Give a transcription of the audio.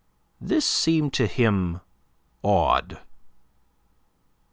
This seemed to him odd.